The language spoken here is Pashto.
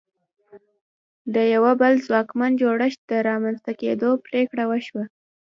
د یوه بل ځواکمن جوړښت د رامنځته کېدو پرېکړه وشوه.